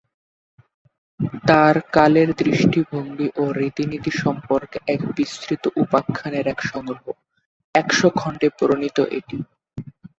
তার কালের দৃষ্টিভঙ্গি ও রীতিনীতি সম্পর্কে এক বিস্তৃত উপাখ্যানের এক সংগ্রহ, একশ খণ্ডে প্রণীত এটি।